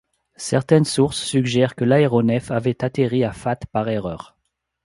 Certaines sources suggèrent que l’aéronef avait atterri à Fath par erreur.